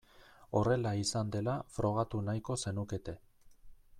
Horrela izan dela frogatu nahiko zenukete.